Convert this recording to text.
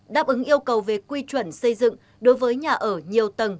đáp ứng yêu cầu về quy chuẩn xây dựng đối với nhà ở nhiều tầng